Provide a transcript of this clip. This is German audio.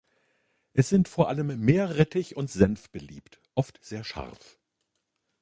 Es sind vor allem Meerrettich und Senf beliebt, oft sehr scharf.